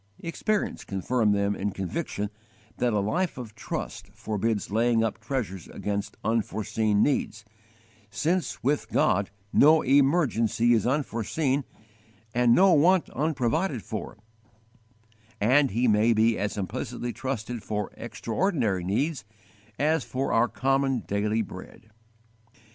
Experience confirmed them in the conviction that a life of trust forbids laying up treasures against unforeseen foreseen needs, since with God no emergency is unforeseen and no want unprovided for; and He may be as implicitly trusted for extraordinary needs as for our common daily bread.